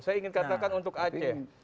saya ingin katakan untuk aceh